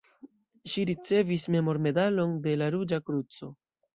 Ŝi ricevis memormedalon de la Ruĝa Kruco.